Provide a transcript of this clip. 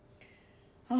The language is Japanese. あ